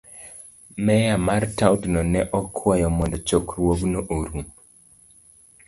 Meya mar taondno ne okwayo mondo chokruogno orum.